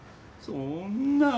そんな。